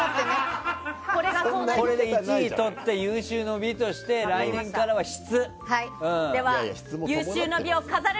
これで１位をとって有終の美として来年からは質！